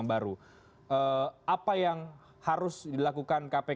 apakah ini hal yang harus dilakukan